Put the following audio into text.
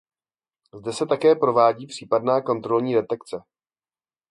Zde se také provádí případná kontrolní detekce.